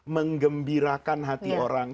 menggembirakan hati orang